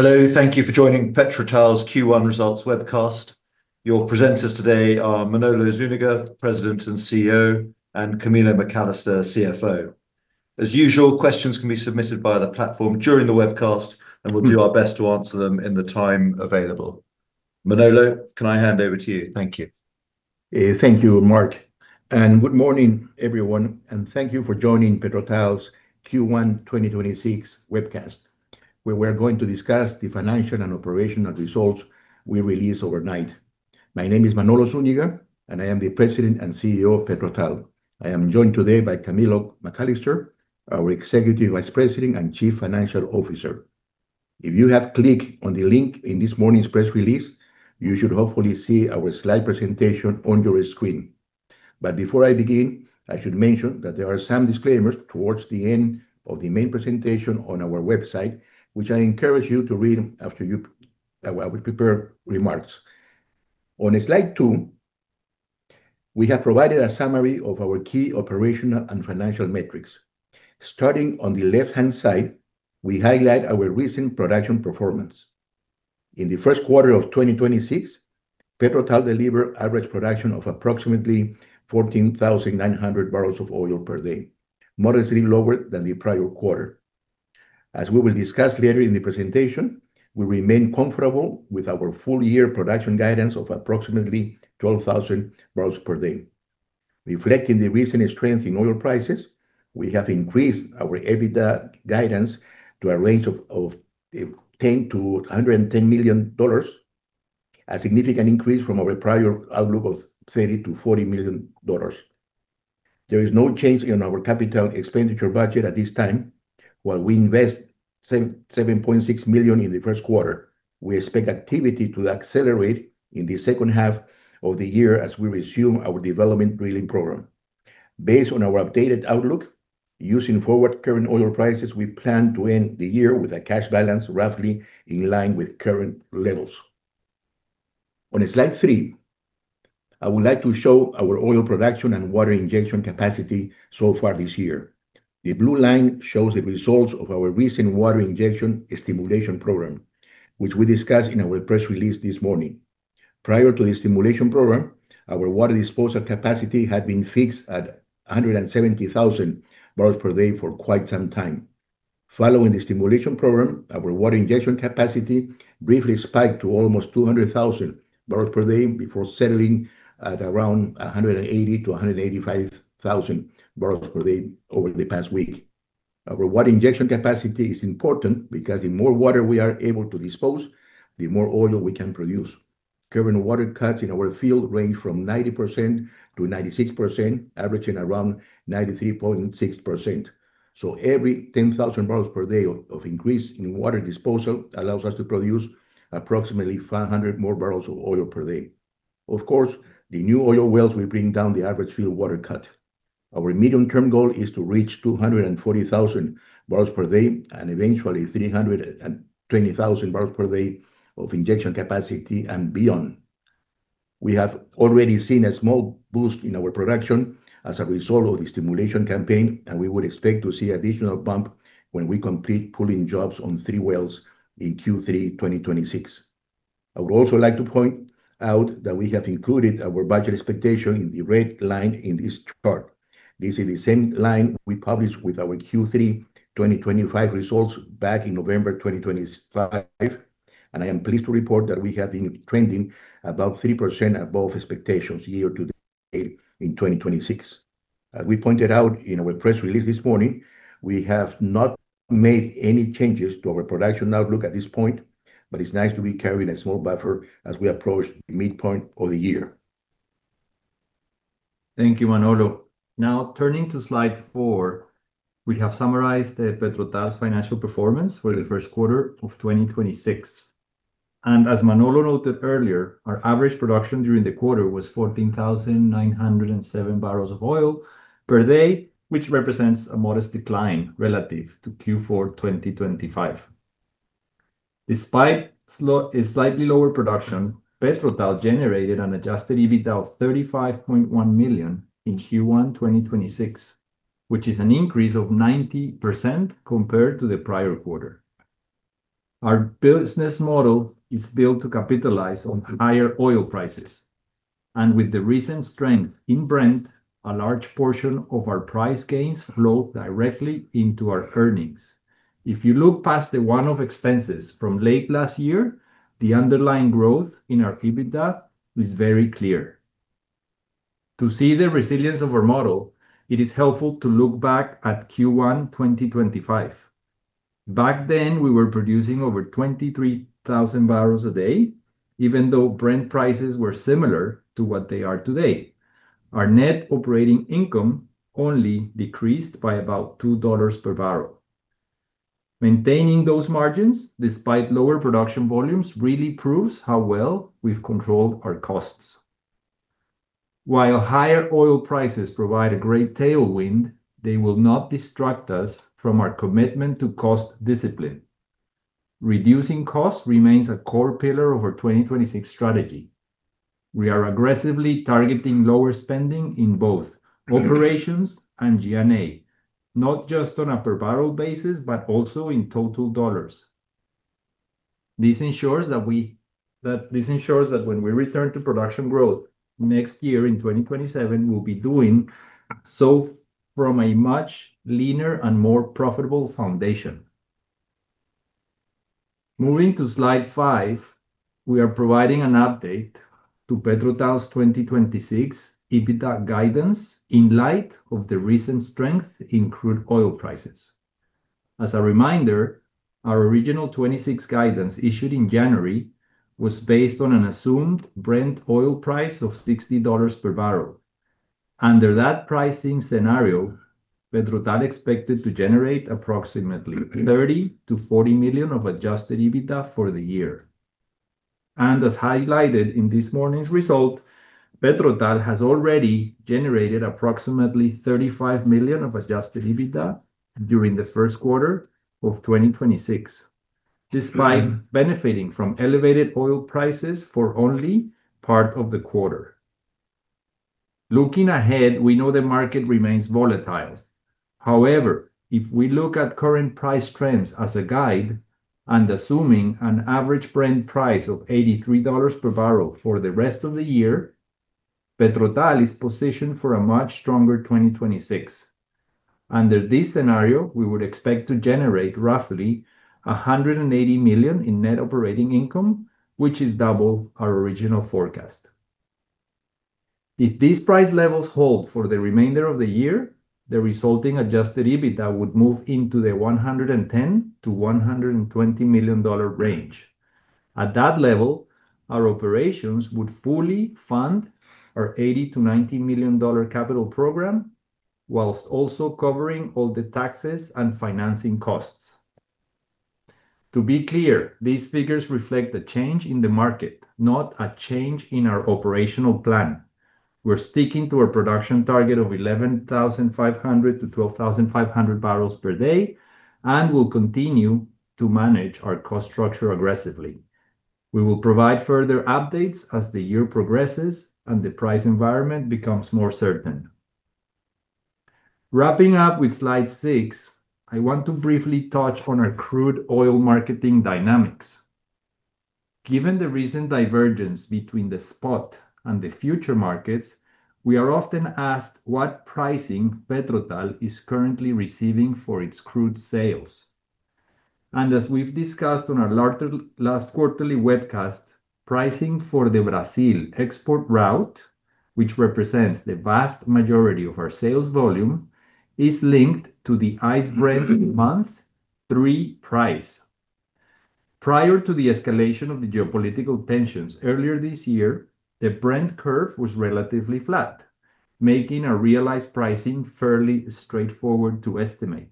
Hello. Thank you for joining PetroTal's Q1 results webcast. Your presenters today are Manolo Zúñiga, President and CEO, and Camilo McAllister, CFO. As usual, questions can be submitted via the platform during the webcast, and we'll do our best to answer them in the time available. Manolo, can I hand over to you? Thank you. Thank you, Mark. Good morning, everyone, and thank you for joining PetroTal's Q1 2026 webcast, where we're going to discuss the financial and operational results we released overnight. My name is Manolo Zúñiga, and I am the President and CEO of PetroTal. I am joined today by Camilo McAllister, our Executive Vice President and Chief Financial Officer. If you have clicked on the link in this morning's press release, you should hopefully see our slide presentation on your screen. Before I begin, I should mention that there are some disclaimers towards the end of the main presentation on our website, which I encourage you to read after our prepared remarks. On slide two, we have provided a summary of our key operational and financial metrics. Starting on the left-hand side, we highlight our recent production performance. In the first quarter of 2026, PetroTal delivered average production of approximately 14,900 barrels of oil per day, modestly lower than the prior quarter. As we will discuss later in the presentation, we remain comfortable with our full year production guidance of approximately 12,000 barrels per day. Reflecting the recent strength in oil prices, we have increased our EBITDA guidance to a range of $10 million-$110 million, a significant increase from our prior outlook of $30 million-$40 million. There is no change in our capital expenditure budget at this time. While we invest $7.6 million in the first quarter, we expect activity to accelerate in the second half of the year as we resume our development drilling program. Based on our updated outlook, using forward current oil prices, we plan to end the year with a cash balance roughly in line with current levels. On slide three, I would like to show our oil production and water injection capacity so far this year. The blue line shows the results of our recent water injection stimulation program, which we discussed in our press release this morning. Prior to the stimulation program, our water disposal capacity had been fixed at 170,000 barrels per day for quite some time. Following the stimulation program, our water injection capacity briefly spiked to almost 200,000 barrels per day before settling at around 180,000-185,000 barrels per day over the past week. Our water injection capacity is important because the more water we are able to dispose, the more oil we can produce. Current water cuts in our field range from 90% to 96%, averaging around 93.6%. Every 10,000 barrels per day of increase in water disposal allows us to produce approximately 500 more barrels of oil per day. Of course, the new oil wells will bring down the average field water cut. Our medium-term goal is to reach 240,000 barrels per day, and eventually 320,000 barrels per day of injection capacity and beyond. We have already seen a small boost in our production as a result of the stimulation campaign, and we would expect to see additional bump when we complete pulling jobs on three wells in Q3 2026. I would also like to point out that we have included our budget expectation in the red line in this chart. This is the same line we published with our Q3 2025 results back in November 2025, and I am pleased to report that we have been trending about 3% above expectations year to date in 2026. As we pointed out in our press release this morning, we have not made any changes to our production outlook at this point, but it's nice to be carrying a small buffer as we approach the midpoint of the year. Thank you, Manolo. Turning to slide four, we have summarized the PetroTal's financial performance for the 1st quarter of 2026. As Manolo noted earlier, our average production during the quarter was 14,907 barrels of oil per day, which represents a modest decline relative to Q4 2025. Despite a slightly lower production, PetroTal generated an adjusted EBITDA of $35.1 million in Q1 2026, which is an increase of 90% compared to the prior quarter. Our business model is built to capitalize on higher oil prices, with the recent strength in Brent, a large portion of our price gains flow directly into our earnings. If you look past the one-off expenses from late last year, the underlying growth in our EBITDA is very clear. To see the resilience of our model, it is helpful to look back at Q1 2025. Back then, we were producing over 23,000 barrels a day, even though Brent prices were similar to what they are today. Our net operating income only decreased by about $2 per barrel. Maintaining those margins despite lower production volumes really proves how well we've controlled our costs. While higher oil prices provide a great tailwind, they will not distract us from our commitment to cost discipline. Reducing costs remains a core pillar of our 2026 strategy. We are aggressively targeting lower spending in both operations and G&A, not just on a per barrel basis, but also in total dollars. This ensures that when we return to production growth next year in 2027, we'll be doing so from a much leaner and more profitable foundation. Moving to slide five, we are providing an update to PetroTal's 2026 EBITDA guidance in light of the recent strength in crude oil prices. As a reminder, our original 2026 guidance issued in January was based on an assumed Brent oil price of $60 per barrel. Under that pricing scenario, PetroTal expected to generate approximately $30 million-$40 million of adjusted EBITDA for the year. As highlighted in this morning's result, PetroTal has already generated approximately $35 million of adjusted EBITDA during the first quarter of 2026, despite benefiting from elevated oil prices for only part of the quarter. Looking ahead, we know the market remains volatile. However, if we look at current price trends as a guide, and assuming an average Brent price of $83 per barrel for the rest of the year, PetroTal is positioned for a much stronger 2026. Under this scenario, we would expect to generate roughly $180 million in net operating income, which is double our original forecast. If these price levels hold for the remainder of the year, the resulting adjusted EBITDA would move into the $110 million-$120 million range. At that level, our operations would fully fund our $80 million-$90 million capital program, whilst also covering all the taxes and financing costs. To be clear, these figures reflect a change in the market, not a change in our operational plan. We're sticking to our production target of 11,500 to 12,500 barrels per day, and we'll continue to manage our cost structure aggressively. We will provide further updates as the year progresses and the price environment becomes more certain. Wrapping up with slide six, I want to briefly touch on our crude oil marketing dynamics. Given the recent divergence between the spot and the future markets, we are often asked what pricing PetroTal is currently receiving for its crude sales. As we've discussed on our last quarterly webcast, pricing for the Brazil export route, which represents the vast majority of our sales volume, is linked to the ICE Brent month three price. Prior to the escalation of the geopolitical tensions earlier this year, the Brent curve was relatively flat, making our realized pricing fairly straightforward to estimate.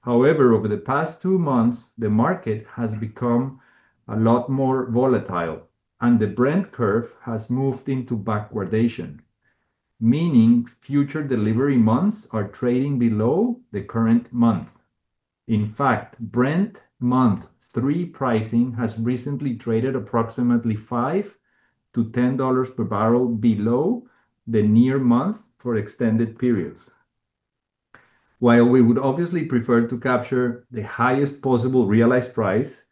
However, over the past two months, the market has become a lot more volatile, and the Brent curve has moved into backwardation, meaning future delivery months are trading below the current month. In fact, Brent month three pricing has recently traded approximately $5-$10 per barrel below the near month for extended periods. While we would obviously prefer to capture the highest possible realized price,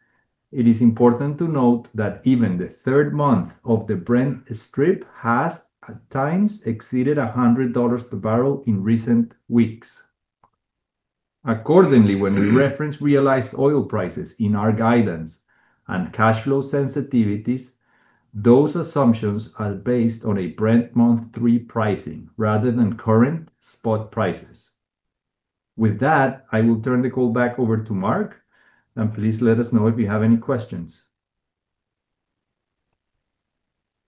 it is important to note that even the third month of the Brent strip has at times exceeded $100 per barrel in recent weeks. Accordingly, when we reference realized oil prices in our guidance and cash flow sensitivities, those assumptions are based on a Brent month three pricing rather than current spot prices. With that, I will turn the call back over to Mark, and please let us know if you have any questions.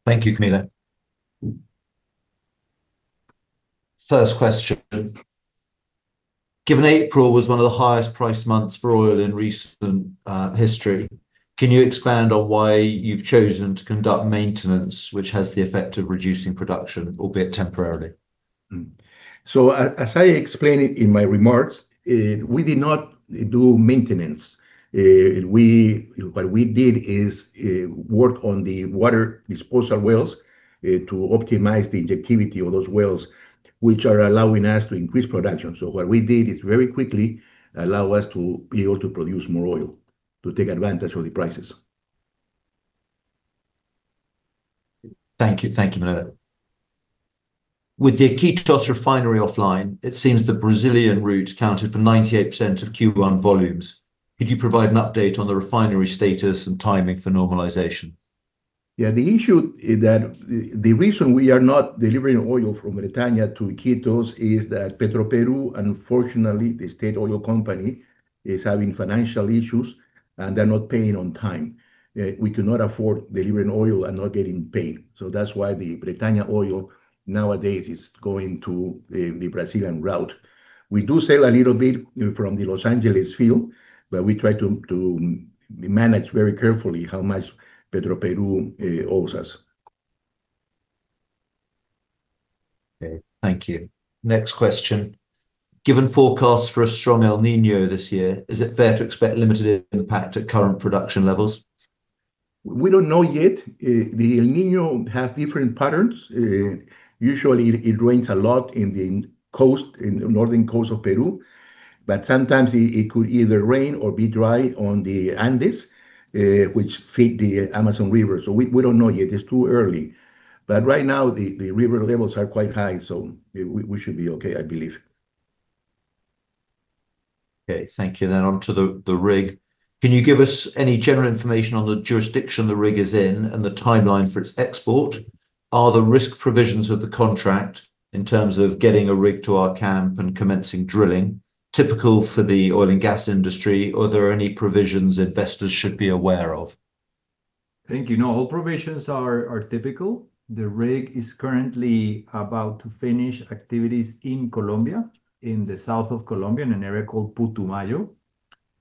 Thank you, Camilo. First question, given April was one of the highest priced months for oil in recent, history, can you expand on why you've chosen to conduct maintenance which has the effect of reducing production, albeit temporarily? As I explained it in my remarks, we did not do maintenance. We, what we did is, work on the water disposal wells, to optimize the injectivity of those wells, which are allowing us to increase production. What we did is very quickly allow us to be able to produce more oil to take advantage of the prices. Thank you. Thank you, Manolo Zúñiga. With the Iquitos refinery offline, it seems the Brazilian route accounted for 98% of Q1 volumes. Could you provide an update on the refinery status and timing for normalization? Yeah, the reason we are not delivering oil from Bretaña to Iquitos is that Petroperú, unfortunately, the state oil company, is having financial issues, they're not paying on time. We cannot afford delivering oil and not getting paid. That's why the Bretaña oil nowadays is going to the Brazilian route. We do sell a little bit from the Los Angeles field, we try to manage very carefully how much Petroperú owes us. Okay. Thank you. Next question. Given forecasts for a strong El Niño this year, is it fair to expect limited impact at current production levels? We don't know yet. The El Niño have different patterns. Usually it rains a lot in the coast, in the northern coast of Peru, but sometimes it could either rain or be dry on the Andes, which feed the Amazon River. We don't know yet. It's too early. Right now the river levels are quite high, so we should be okay, I believe. Okay. Thank you. onto the rig. Can you give us any general information on the jurisdiction the rig is in and the timeline for its export? Are the risk provisions of the contract in terms of getting a rig to our camp and commencing drilling typical for the oil and gas industry? Are there any provisions investors should be aware of? Thank you. No, all provisions are typical. The rig is currently about to finish activities in Colombia, in the south of Colombia, in an area called Putumayo,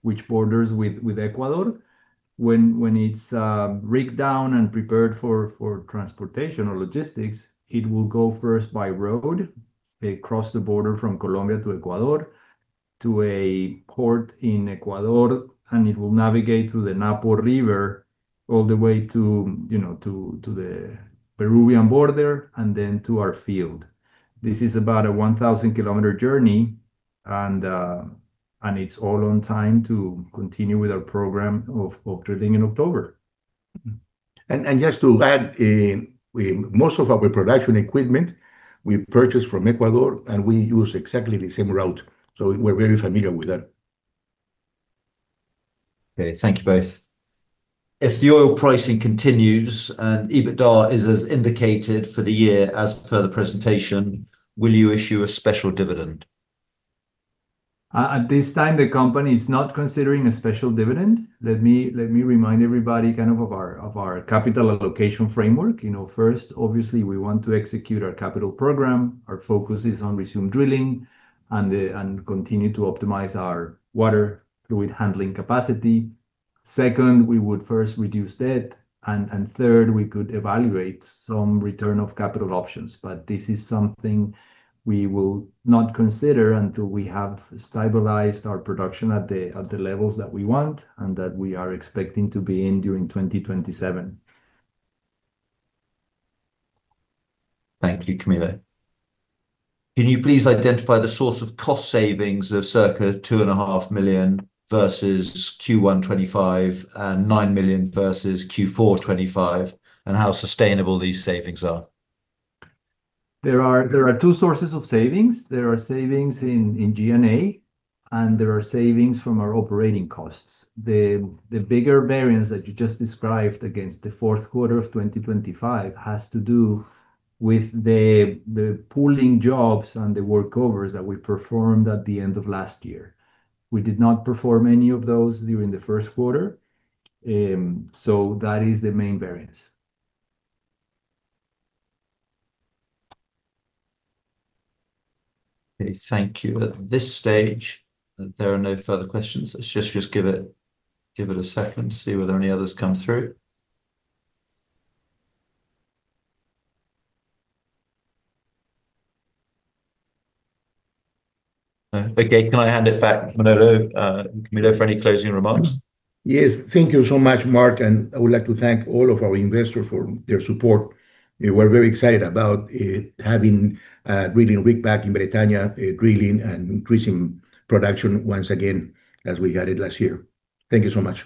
which borders with Ecuador. When it's rigged down and prepared for transportation or logistics, it will go first by road across the border from Colombia to Ecuador to a port in Ecuador, and it will navigate through the Napo River all the way to, you know, to the Peruvian border and then to our field. This is about a 1,000 km journey and it's all on time to continue with our program of drilling in October. Just to add in, Most of our production equipment we purchase from Ecuador, and we use exactly the same route, so we're very familiar with that. Okay. Thank you both. If the oil pricing continues and EBITDA is as indicated for the year as per the presentation, will you issue a special dividend? At this time, the company is not considering a special dividend. Let me remind everybody kind of our capital allocation framework. You know, first, obviously, we want to execute our capital program. Our focus is on resume drilling and continue to optimize our water fluid handling capacity. Second, we would first reduce debt. Third, we could evaluate some return of capital options. This is something we will not consider until we have stabilized our production at the levels that we want and that we are expecting to be in during 2027. Thank you, Camilo. Can you please identify the source of cost savings of circa $2.5 million versus Q1 2025 and $9 million versus Q4 2025, and how sustainable these savings are? There are two sources of savings. There are savings in G&A, and there are savings from our operating costs. The bigger variance that you just described against the fourth quarter of 2025 has to do with the pulling jobs and the workovers that we performed at the end of last year. We did not perform any of those during the first quarter. That is the main variance. Okay. Thank you. At this stage, there are no further questions. Let's just give it a second, see whether any others come through. No. Okay. Can I hand it back, Manolo Zúñiga and Camilo McAllister, for any closing remarks? Yes. Thank you so much, Mark, and I would like to thank all of our investors for their support. We're very excited about having a drilling rig back in Bretaña drilling and increasing production once again as we had it last year. Thank you so much.